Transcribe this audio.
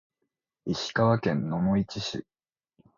石川県野々市市